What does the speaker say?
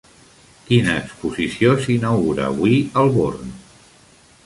Quina exposició s'inaugura avui al Born?